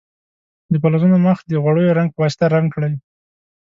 د فلزونو مخ د غوړیو رنګ په واسطه رنګ کړئ.